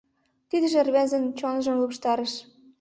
Тидыже рвезын чонжым луштарыш.